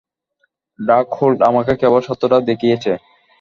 Darkhold আমাকে কেবল সত্যটা দেখিয়েছে।